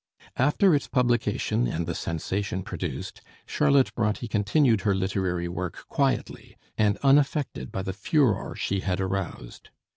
After its publication and the sensation produced, Charlotte Bronté continued her literary work quietly, and unaffected by the furore she had aroused.